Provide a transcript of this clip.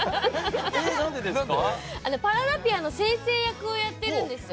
パラダピアの先生役をやってるんですよ。